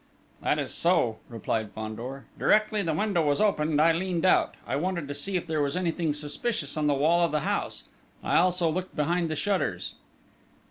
"That is so," replied Fandor. "Directly the window was opened, I leaned out: I wanted to see if there was anything suspicious on the wall of the house. I also looked behind the shutters."